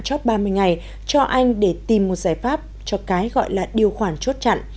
chót ba mươi ngày cho anh để tìm một giải pháp cho cái gọi là điều khoản chốt chặn